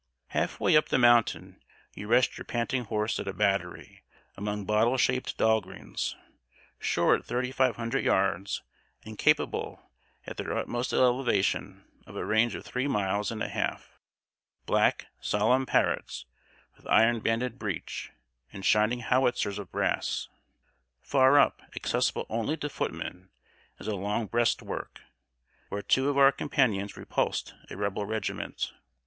Half way up the mountain, you rest your panting horse at a battery, among bottle shaped Dahlgrens, sure at thirty five hundred yards, and capable at their utmost elevation of a range of three miles and a half; black, solemn Parrotts, with iron banded breech, and shining howitzers of brass. Far up, accessible only to footmen, is a long breast work, where two of our companies repulsed a Rebel regiment.